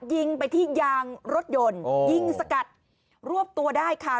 ยิงไปที่ยางรถยนต์ยิงสกัดรวบตัวได้ค่ะ